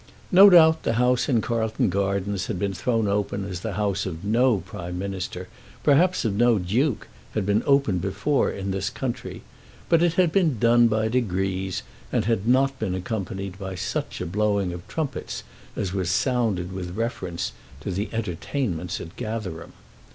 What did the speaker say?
No doubt the house in Carlton Gardens had been thrown open as the house of no Prime Minister, perhaps of no duke, had been opened before in this country; but it had been done by degrees, and had not been accompanied by such a blowing of trumpets as was sounded with reference to the entertainments at Gatherum.